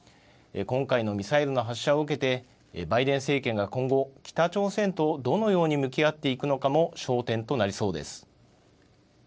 今回のミサイルの発射を受けてバイデン政権が今後、北朝鮮とどのように向き合っていくのかも焦点となりそうです。